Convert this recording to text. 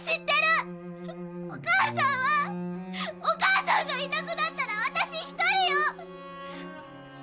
お母さんがいなくなったら私１人よ。